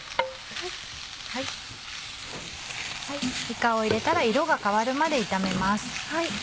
いかを入れたら色が変わるまで炒めます。